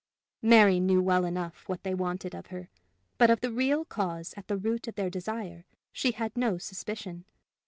Mary knew well enough what they wanted of her; but of the real cause at the root of their desire she had no suspicion.